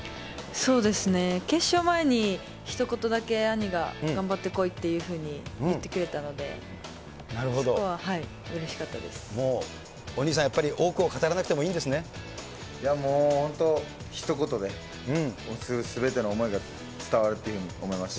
そうですね、決勝前にひと言だけ兄が、頑張ってこいっていうふうに言ってくれお兄さん、やっぱり多くを語いやもう本当、ひと言ですべての思いが伝わるというふうに思いました。